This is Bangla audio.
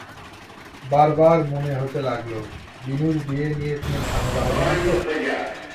বারবার মনে হতে লাগল, বিনুর বিয়ে নিয়ে কোনো ঝামেলা হবে না তো?